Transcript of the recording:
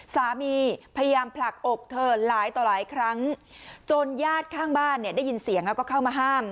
พยายามผลักอกเธอหลายต่อหลายครั้งจนญาติข้างบ้านเนี่ยได้ยินเสียงแล้วก็เข้ามาห้าม